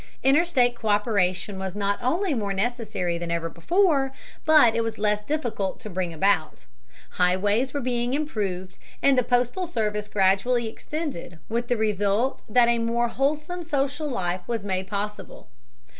Interstate co÷peration was not only more necessary than ever before, but it was less difficult to bring about. Highways were being improved, and the postal service gradually extended, with the result that a more wholesome social life was made possible.